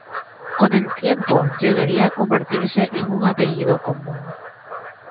Con el tiempo, llegaría a convertirse en un apellido común.